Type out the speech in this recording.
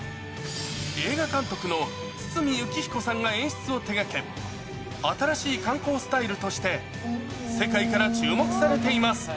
映画監督の堤幸彦さんが演出を手がけ、新しい観光スタイルとして、世界から注目されています。